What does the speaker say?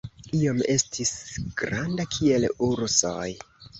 Iom estis granda kiel ursoj.